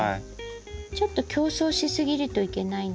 ちょっと競争しすぎるといけないので。